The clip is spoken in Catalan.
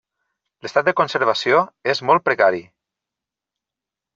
L'estat de conservació és molt precari.